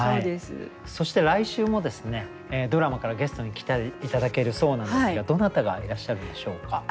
そして来週もドラマからゲストに来て頂けるそうなんですがどなたがいらっしゃるんでしょうか？